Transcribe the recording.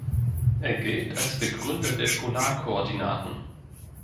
Er gilt als Begründer der Polarkoordinaten.